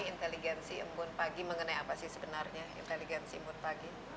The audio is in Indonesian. inteligensi embun pagi mengenai apa sih sebenarnya